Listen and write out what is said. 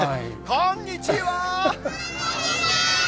こんにちは。